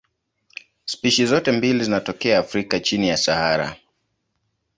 Spishi zote mbili zinatokea Afrika chini ya Sahara.